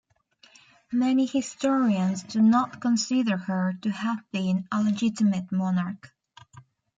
Many historians do not consider her to have been a legitimate monarch.